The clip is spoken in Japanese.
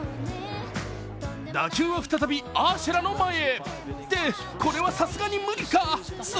打球は再びアーシェラの前へ。